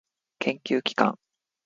研究機関